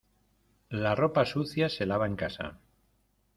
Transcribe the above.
La ropa sucia se lava en casa.